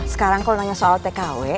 sekarang kalau nanya soal tkw